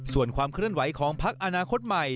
ส่วนความเคลื่อนไหวของพักอนาคตใหม่